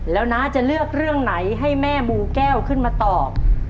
แล้วน้าจะเลือกเรื่องไหนให้แม่มูแก้วขึ้นมาตอบ